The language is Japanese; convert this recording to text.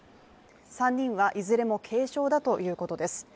３人はいずれも軽傷だということです。